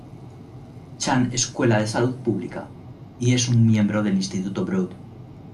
Chan Escuela de Salud Pública, y es un miembro en el Instituto Broad.